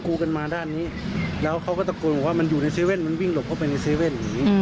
ก็บอกว่ามันอยู่ในเซเว่นหรือวิ่งลบเข้าไปในเซเว่น